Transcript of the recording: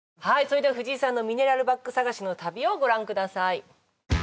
それでは藤井さんのミネラルバッグ探しの旅をご覧ください